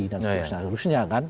dan sebagainya kan